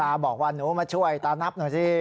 บอกว่าหนูมาช่วยตานับหน่อยสิ